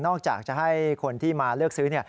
นอกจากจะให้คนที่มาเลือกซื้อ